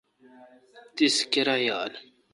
تیس کیرایال؟